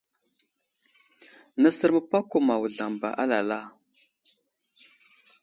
Nəsər məpako ma wuzlam ba alala.